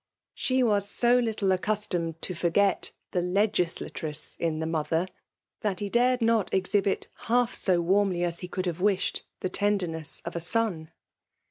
She was so little accustomed to forget the legislatress in the mother, that he dared not exhibit half so warmly as he could hare wished the tenderness of a son.